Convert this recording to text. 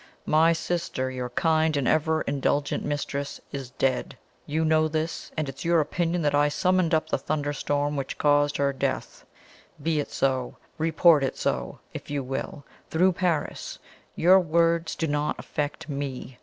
My sister, your kind and ever indulgent mistress, is dead. You know this, and it is your opinion that I summoned up the thunderstorm which caused her death. Be it so. Report it so, if you will, through Paris; your words do not affect me.